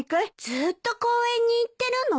ずっと公園に行ってるの？